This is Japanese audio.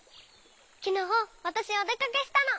きのうわたしおでかけしたの！